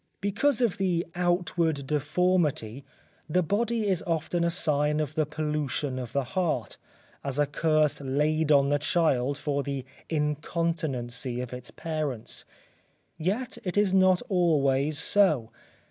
Because of the outward deformity, the body is often a sign of the pollution of the heart, as a curse laid on the child for the incontinency of its parents. Yet it is not always so.